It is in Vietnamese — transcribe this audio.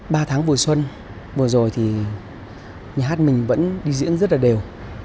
ba tháng vừa xuân vừa rồi thì nhà hát mình vẫn đi diễn rất là đều